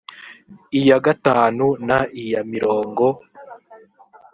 iya gatanu n iya mirongo